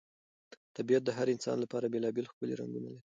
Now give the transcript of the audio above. طبیعت د هر انسان لپاره بېلابېل ښکلي رنګونه لري.